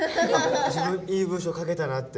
自分いい文章書けたなって。